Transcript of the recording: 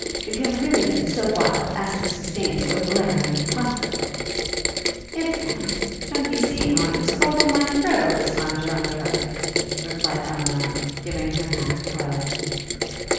If you had really been so wild as to sustain so glaring an impostor ' 'If, aunt? don't you see how I am scalding my throat all this time to run to her?' replied Elinor, giving her hand to Harleigh.